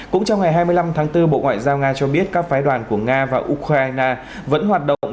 cũng trong ngày hai mươi năm tháng bốn bộ ngoại giao nga cho biết các phái đoàn của nga và ukraine vẫn hoạt động